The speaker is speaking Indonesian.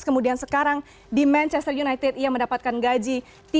kemudian sekarang di manchester united ia mendapatkan gaji